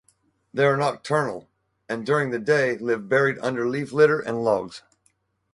They are nocturnal, and during the day live buried under leaf litter and logs.